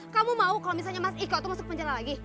kamu mau kalau misalnya mas iko itu masuk penjara lagi